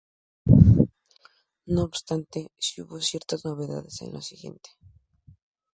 No obstante, sí hubo cierta novedad en la siguiente.